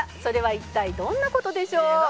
「それは一体どんな事でしょう？」